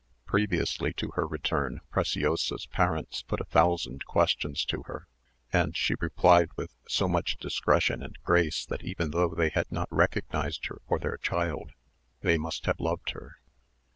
Previously to her return, Preciosa's parents put a thousand questions to her, and she replied with so much discretion and grace, that even though they had not recognised her for their child, they must have loved her.